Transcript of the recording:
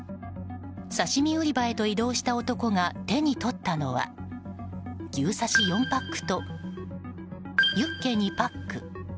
刺し身売り場へと移動した男が手に取ったのは牛刺し４パックとユッケ２パック。